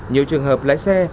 nhiều trường hợp lái xe